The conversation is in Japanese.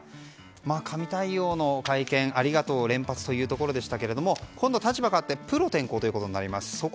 神対応の会見、ありがとう連発というところでしたが今度は立場変わってプロ転向となります。